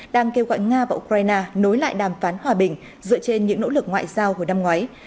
đang kêu gọi nga và ukraine nối lại đàm phán hòa bình dựa trên những nỗ lực ngoại giao hồi năm ngoái